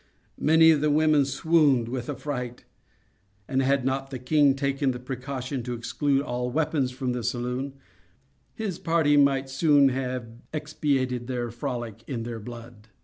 Many of the women swooned with affright; and had not the king taken the precaution to exclude all weapons from the saloon, his party might soon have expiated their frolic in their blood.